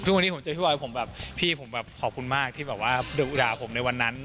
ทุกวันนี้ผมเจอพี่บอยผมแบบพี่ผมแบบขอบคุณมากที่แบบว่าดุด่าผมในวันนั้น